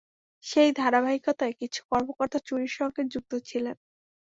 সেই ধারাবাহিতায় কিছু কর্মকর্তা চুরির সঙ্গে যুক্ত ছিলেন।